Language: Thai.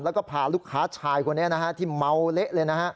แล้วก็พาลูกค้าชายคนนี้ที่เมาเละเลย